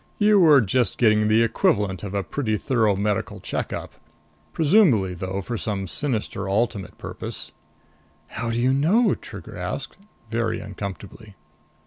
You were just getting the equivalent of a pretty thorough medical check up. Presumably, though, for some sinister ultimate purpose." "How do you know?" Trigger asked, very uncomfortably.